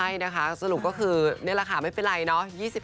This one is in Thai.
ใช่นะคะสรุปก็คือนี่แหละค่ะไม่เป็นไรเนาะ